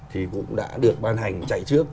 thì cũng đã được ban hành chạy trước